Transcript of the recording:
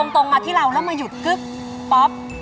ตรงมาที่เราแล้วมาหยุดกึ๊บป๊อบรอพี่ก่อนนะ